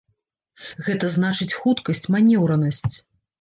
Гэта значыць хуткасць, манеўранасць.